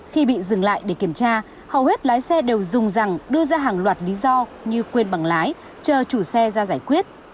khi bị dừng lại để kiểm tra hầu hết lái xe đều dùng rằng đưa ra hàng loạt lý do như quên bằng lái chờ chủ xe ra giải quyết